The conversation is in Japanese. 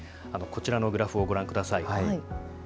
こちらのグラフをご覧ください。